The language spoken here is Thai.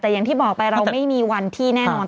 แต่อย่างที่บอกไปเราไม่มีวันที่แน่นอน